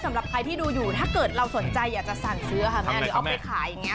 สำหรับใครที่ดูอยู่ถ้าเกิดเราสนใจอยากจะสั่งซื้อค่ะแม่หรือเอาไปขายอย่างนี้